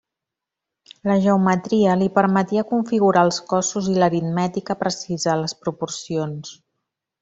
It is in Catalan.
La geometria li permetia configurar els cossos i l'aritmètica precisar les proporcions.